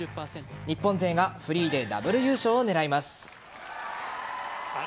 日本勢がフリーでダブル優勝を狙います。